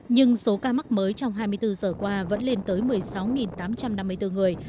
nhưng số ca mắc mới trong hai mươi bốn giờ qua vẫn lên tới một mươi sáu tám trăm năm mươi bốn người